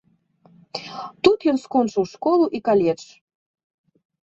Тут ён скончыў школу і каледж.